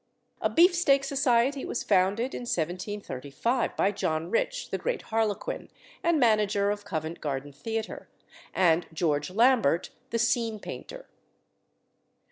A Beef steak Society was founded in 1735 by John Rich, the great harlequin, and manager of Covent Garden Theatre, and George Lambert, the scene painter.